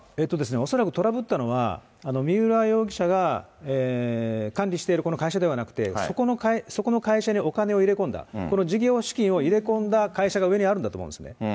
恐らくトラブったのは、三浦容疑者が管理しているこの会社ではなくて、そこの会社にお金を入れ込んだ、この事業資金を入れ込んだ会社が上にあるんだと思うんですね。